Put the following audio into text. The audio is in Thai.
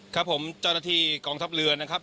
ครับผมเจ้าหน้าที่กองทัพเรือนะครับ